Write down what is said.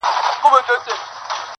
o د اوښ بـارونـه پـــه واوښـتـل.